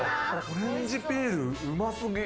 オレンジピール、うますぎ！